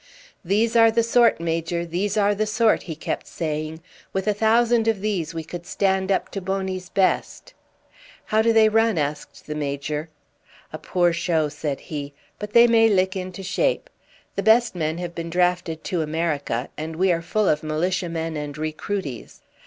"These are the sort, Major, these are the sort," he kept saying. "With a thousand of these we could stand up to Boney's best." "How do they run?" asked the Major. "A poor show," said he, "but they may lick into shape. The best men have been drafted to America, and we are full of Militiamen and recruities."